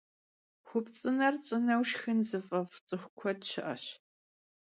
Xupts'ıner ts'ıneu şşxın zıf'ef' ts'ıxu kued şı'eş.